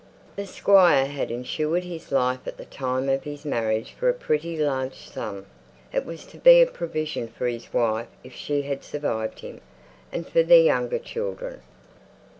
The Squire had insured his life at the time of his marriage for a pretty large sum. It was to be a provision for his wife, if she survived him, and for their younger children.